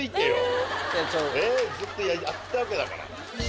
ずっとやってたわけだから。